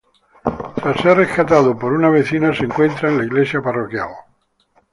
Tras ser rescatado por una vecina, se encuentra en la iglesia parroquial.